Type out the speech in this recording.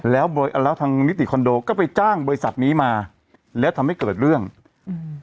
แล้วโดยแล้วทางนิติคอนโดก็ไปจ้างบริษัทนี้มาแล้วทำให้เกิดเรื่องอืม